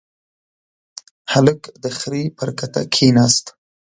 هلک د خرې پر کته کېناست.